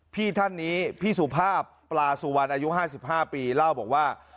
พี่ท่านนี้พี่สุภาพปลาสุวรรณอายุ๕๕ปีเล่าบอกว่า